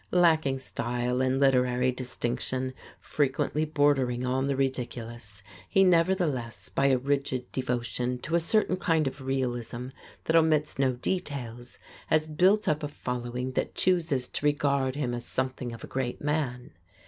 Lacking style and literary distinction, frequently bordering on the ridiculous, he nevertheless, by a rigid devotion to a certain kind of realism that omits no details, has built up a following that chooses to regard him as something of a great man.